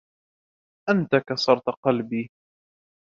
أنتَ كسرتَ قلبي.